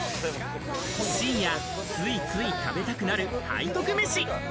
深夜、ついつい食べたくなる背徳めし。